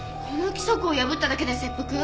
この規則を破っただけで切腹？